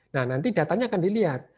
nah nanti datanya akan dilihat